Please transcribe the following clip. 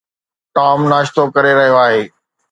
Tom ناشتو ڪري رهيو آهي.